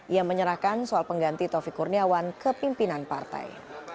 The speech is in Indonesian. ia menyerahkan soal pengganti tovi kurniawan ke pimpinan partai